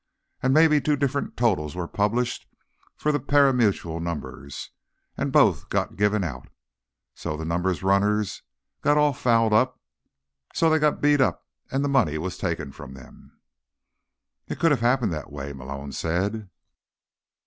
And maybe two different totals were published for the pari mutuel numbers, and both got given out. So the numbers runners got all fouled up, so they got beat up and money taken from them." "It could have happened that way," Malone said.